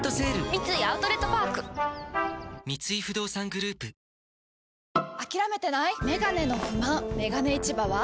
三井アウトレットパーク三井不動産グループあ゛ーーー！